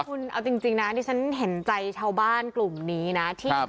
คุณเอาจริงนะดิฉันเห็นใจชาวบ้านกลุ่มนี้นะที่